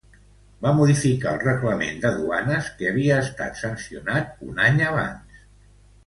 Va modificar el reglament de duanes que havia estat sancionat un any abans.